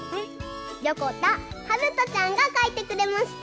よこたはるとちゃんがかいてくれました。